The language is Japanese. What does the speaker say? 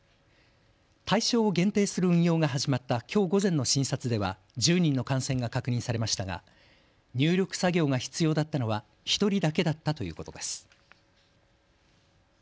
対象を限定する運用が始まったきょう午前の診察では１０人の感染が確認されましたが入力作業が必要だったのは１人だけだったということです。